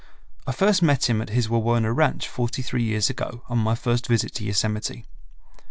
I first met him at his Wawona ranch forty three years ago on my first visit to Yosemite.